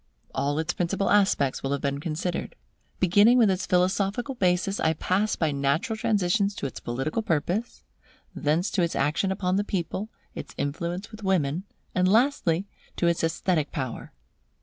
All its principal aspects will have been considered. Beginning with its philosophical basis, I pass by natural transitions to its political purpose; thence to its action upon the people, its influence with women, and lastly, to its esthetic power.